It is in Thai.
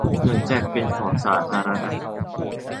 เหมือนแจกเป็นของสาธารณะ